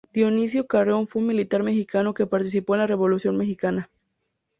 Dionisio Carreón fue un militar mexicano que participó en la Revolución mexicana.